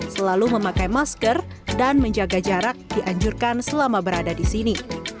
selalu memakai masker dan menjaga jarak dianjurkan selama berada di sini